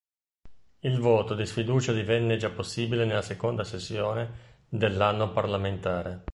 Il voto di sfiducia divenne già possibile nella seconda sessione dell'anno parlamentare.